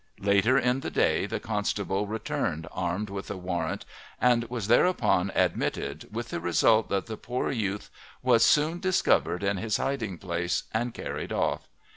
Later in the day the constable returned armed with a warrant and was thereupon admitted, with the result that the poor youth was soon discovered in his hiding place and carried off.